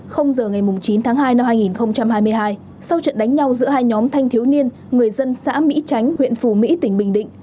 giờ ngày chín tháng hai năm hai nghìn hai mươi hai sau trận đánh nhau giữa hai nhóm thanh thiếu niên người dân xã mỹ tránh huyện phù mỹ tỉnh bình định